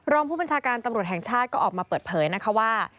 รองผู้บัญชาการตำรวจแห่งชาติก็ออกมาเปิดเผยนะคะว่า